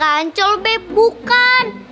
sama kancil lo be bukan